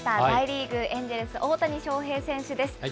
大リーグ・エンジェルス、大谷翔平選手です。